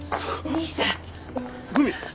兄さん。